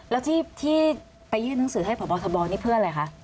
แล้วที่ไปยื่นหนังสือให้พบทบนี่เพื่ออะไรคะ